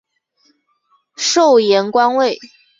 授盐官尉。